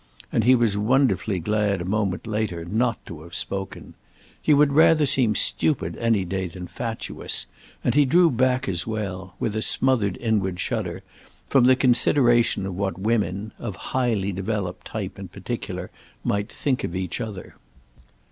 and he was wonderfully glad a moment later not to have spoken. He would rather seem stupid any day than fatuous, and he drew back as well, with a smothered inward shudder, from the consideration of what women—of highly developed type in particular—might think of each other.